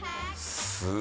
「すごいな」